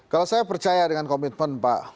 kalau saya percaya dengan komitmen pak